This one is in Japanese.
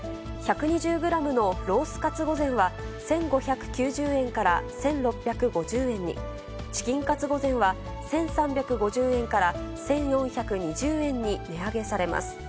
１２０グラムのロースかつ御膳は１５９０円から１６５０円に、チキンかつ御膳は１３５０円から１４２０円に値上げされます。